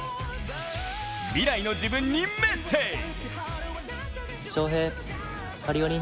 未来の自分にメッセージ！